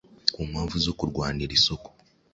ku mpamvu zo kurwanira isoko